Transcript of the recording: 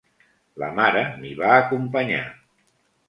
La mare m'hi va acompanyar.